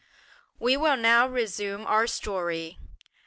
We will now resume our story.